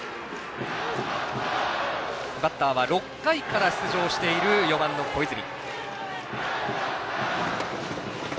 バッターは６回から出場している４番の小泉。